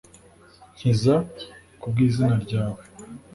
nkiza ku bw izina ryawe